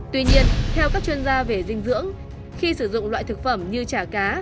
tuy nhiên theo các chuyên gia về dinh dưỡng khi sử dụng loại thực phẩm như chả cá